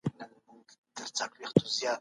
خلګ بايد د ټولني د خير لپاره کار وکړي.